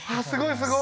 すごい！